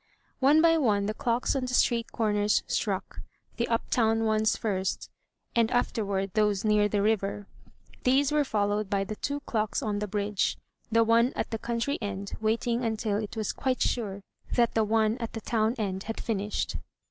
One by one the clocks on the street comers struck, the up town ones first, and afterward those near the river. These were followed by the two clocks on the bridge, the one at the country end waiting until it was quite sure that the one at the town end had finished.